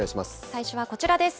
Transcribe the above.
最初はこちらです。